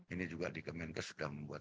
ini juga di kemenkes sudah membuat